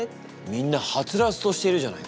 みんなはつらつとしているじゃないか。